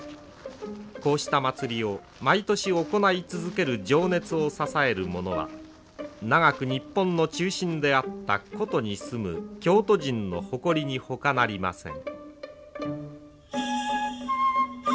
こうした祭りを毎年行い続ける情熱を支えるものは長く日本の中心であった古都に住む京都人の誇りにほかなりません。